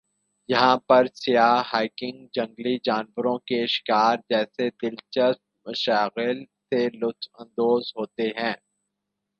یہاں پر سیاح ہائیکنگ جنگلی جانوروں کے شکار جیسے دلچسپ مشاغل سے لطف اندوز ہو تے ہیں ۔